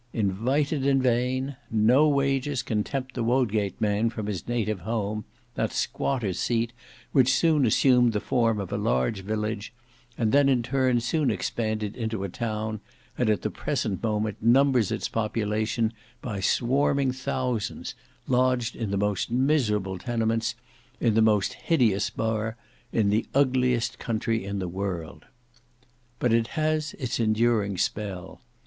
Invited in vain! No wages can tempt the Wodgate man from his native home, that squatters' seat which soon assumed the form of a large village, and then in turn soon expanded into a town, and at the present moment numbers its population by swarming thousands, lodged in the most miserable tenements in the most hideous burgh in the ugliest country in the world. But it has its enduring spell.